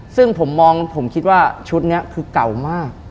ซึ่งผมมองผมคิดว่าชุดนี้คือเก่ามาก